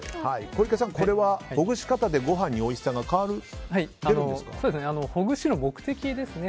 小池さん、これはほぐし方でご飯のおいしさが変わるんですか。